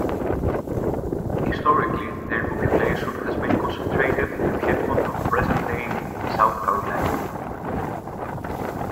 Historically, their population has been concentrated in the Piedmont of present-day South Carolina.